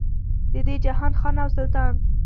د دې جهان خان او سلطان.